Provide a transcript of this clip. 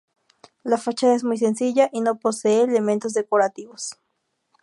La fachada es muy sencilla y no posee elementos decorativos.